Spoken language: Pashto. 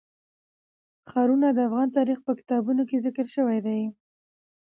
ښارونه د افغان تاریخ په کتابونو کې ذکر شوی دي.